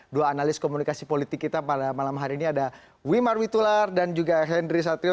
dua analis komunikasi politik kita pada malam hari ini ada wimar witular dan juga henry satrio